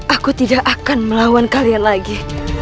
aku tidak akan melawan kalian lagi